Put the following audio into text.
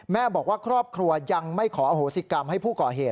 แม่บอกว่าครอบครัวยังไม่ขออโหสิกรรมให้ผู้ก่อเหตุ